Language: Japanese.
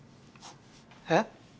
えっ？